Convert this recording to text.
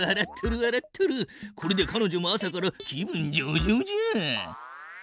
これでかのじょも朝から気分上々じゃ。